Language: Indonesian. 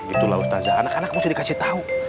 itulah ustazah anak anak harus dikasih tau